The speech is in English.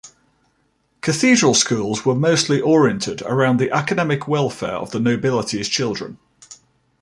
Cathedral schools were mostly oriented around the academic welfare of the nobility's children.